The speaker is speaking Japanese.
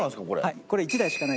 これ。